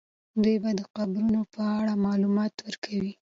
دوی به د قبرونو په اړه معلومات ورکوي.